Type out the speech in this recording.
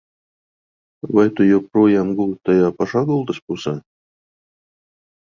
Vai tu joprojām guli tajā pašā gultas pusē?